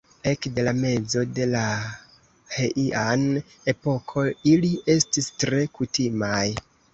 Ekde la mezo de la Heian-epoko ili estis tre kutimaj.